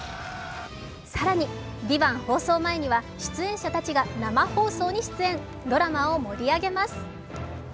更に「ＶＩＶＡＮＴ」放送前には出演者たちが生放送に出演、ドラマを盛り上げます。